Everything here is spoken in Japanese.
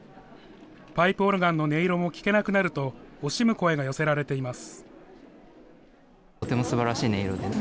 パイプオルガンの音色も聞けなくなると、惜しむ声が寄せられています。